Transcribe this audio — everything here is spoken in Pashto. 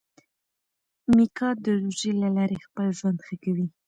میکا د روژې له لارې خپل ژوند ښه کوي.